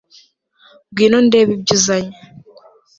ngwino ndebe ibyo uzanye